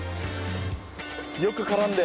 よく絡んで。